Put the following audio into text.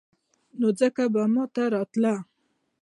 نو ځکه به ما ته راته.